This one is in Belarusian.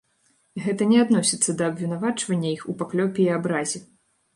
Гэта не адносіцца да абвінавачвання іх у паклёпе і абразе.